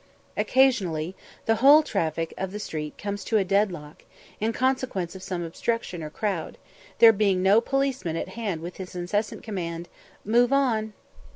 Occasionally, the whole traffic of the street comes to a dead lock, in consequence of some obstruction or crowd, there being no policeman at hand with his incessant command, "Move on!"